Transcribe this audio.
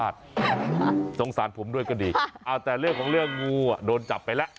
สงสารผมด้วยก็ดีแต่เรื่องของเรื่องงูอ่ะโดนจับไปแล้ว